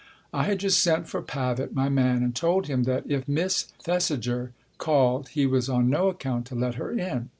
I had just sent for Pavitt, my man, and told him that if Miss Thesiger called he was on no account to let her in.